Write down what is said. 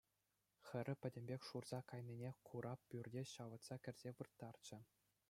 Хӗрӗ пӗтӗмпех шурса кайнине кура пӳрте ҫавӑтса кӗрсе вырттарччӗ.